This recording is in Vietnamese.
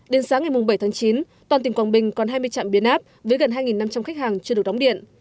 đến sáng ngày bảy tháng chín toàn tỉnh quảng bình còn hai mươi trạm biến áp với gần hai năm trăm linh khách hàng chưa được đóng điện